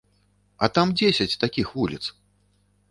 А там дзесяць такіх вуліц!